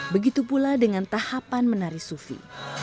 begitu pula dengan tahapan menari sufi